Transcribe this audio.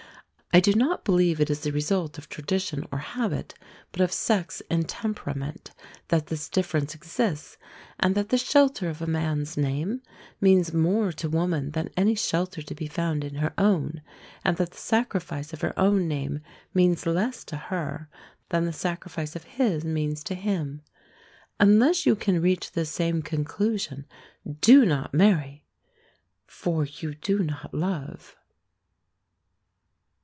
I do not believe it is the result of tradition or habit, but of sex and temperament, that this difference exists, and that the shelter of a man's name means more to woman than any shelter to be found in her own, and that the sacrifice of her own name means less to her than the sacrifice of his means to him. Unless you can reach this same conclusion, do not marry for you do not love.